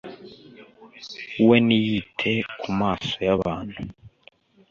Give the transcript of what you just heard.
we ntiyite ku maso y'abantu